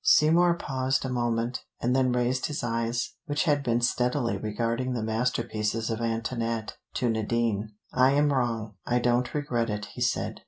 Seymour paused a moment, and then raised his eyes, which had been steadily regarding the masterpieces of Antoinette, to Nadine. "I am wrong: I don't regret it," he said.